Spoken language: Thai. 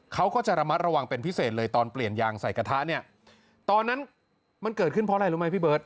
เขาก็จะระมัดระวังเป็นพิเศษเลยตอนเปลี่ยนยางใส่กระทะเนี่ยตอนนั้นมันเกิดขึ้นเพราะอะไรรู้ไหมพี่เบิร์ต